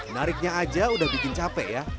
nariknya aja udah bikin capek ya